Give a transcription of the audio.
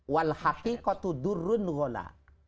walhafi kutu durrun gula